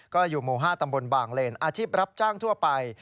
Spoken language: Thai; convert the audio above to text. ก็อยู่หมู่๕ตำบลบางเลนอาชีพรับจ้างทั่วไป